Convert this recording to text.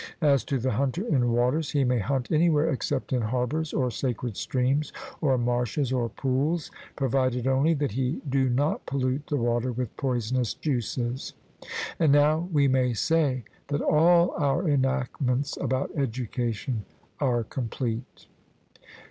As to the hunter in waters, he may hunt anywhere except in harbours or sacred streams or marshes or pools, provided only that he do not pollute the water with poisonous juices. And now we may say that all our enactments about education are complete.